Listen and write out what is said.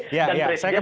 ya ya saya ke bang adian